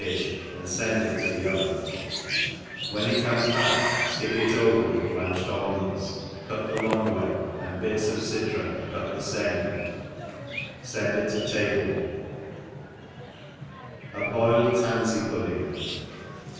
{h, and fend it xq the oven } when it comes back ftick it over with blanched almonds cut the long way, and bits of citron cot the iame ; fend it to tablei ^W^^Tansey Pudding.